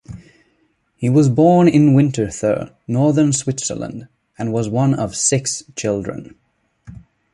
He was born in Winterthur, northern Switzerland, and was one of six children.